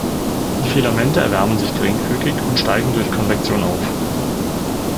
Die Filamente erwärmen sich geringfügig und steigen durch Konvektion auf.